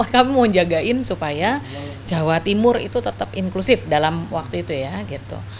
kami mau jagain supaya jawa timur itu tetap inklusif dalam waktu itu ya gitu